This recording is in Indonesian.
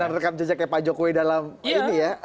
dan rekam jejaknya pak jokowi dalam ini ya